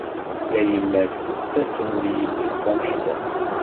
Tayemmat tettasem di yelli-s tamecṭuḥt.